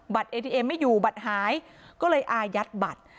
เอทีเอ็มไม่อยู่บัตรหายก็เลยอายัดบัตร